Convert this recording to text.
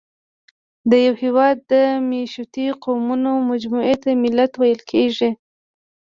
د یوه هېواد د مېشتو قومونو مجموعې ته ملت ویل کېږي.